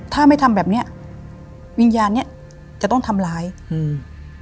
ถ้าไม่ทำแบบเนี้ยวิญญาณเนี้ยจะต้องทำร้ายอืม